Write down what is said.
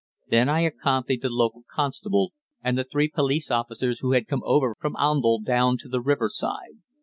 Then I accompanied the local constable, and the three police officers who had come over from Oundle, down to the riverside.